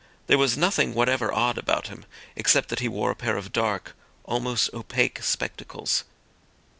There was nothing whatever odd about him, except that he wore a pair of dark, almost opaque spectacles.